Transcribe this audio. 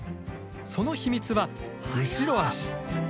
その秘密は後ろ足。